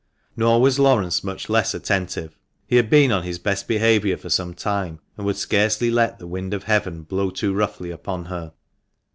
Nor was Laurence much less attentive. He had been on his best behaviour for some time, and would scarcely let the wind of heaven blow too roughly upon her.